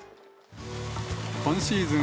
今シーズン